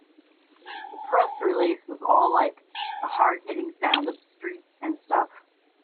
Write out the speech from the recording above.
The press release was all like, the hard-hitting sound of the streets and stuff.